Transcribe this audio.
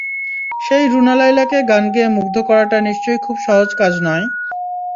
সেই রুনা লায়লাকে গান গেয়ে মুগ্ধ করাটা নিশ্চয়ই খুব সহজ কাজ নয়।